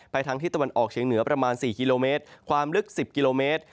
ทางที่ตะวันออกเชียงเหนือประมาณ๔กิโลเมตรความลึก๑๐กิโลเมตร